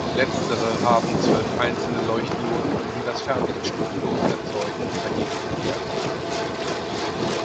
Letztere haben zwölf einzelne Leuchtdioden, die das Fernlicht stufenlos erzeugen und bei Gegenverkehr abblenden.